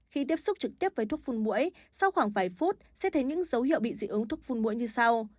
khi tiếp xúc trực tiếp với thuốc phun mũi sau khoảng vài phút sẽ thấy những dấu hiệu bị dị ứng thuốc phun mũi như sau